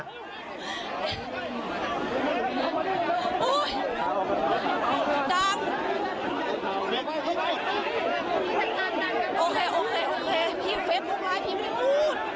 โอเคโอเคโอเคพี่เฟสบุ๊คไลน์พี่ไม่ได้พูด